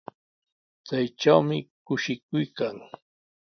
Chaytrawmi kushikuy kan.